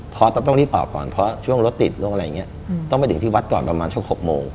เพราะต้องรีบออกก่อนเพราะช่วงรถติดต้องไปถึงที่วัดก่อนประมาณช่วง๖โมง